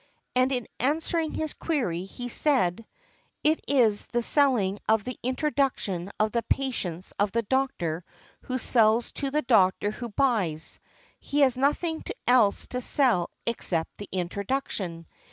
And in answering his query he said, "It is the selling of the introduction of the patients of the doctor who sells to the doctor who buys, he has nothing else to sell except the introduction.